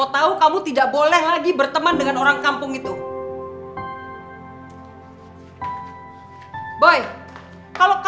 wah tapi emang boy mau